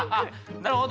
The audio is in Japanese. なるほど。